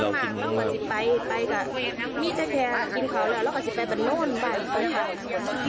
มึงมึงมึงมึงมึงมึงมึงมึงมึงมึงมึงมึงมึงมึง